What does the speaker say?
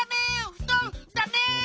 ふとんダメ！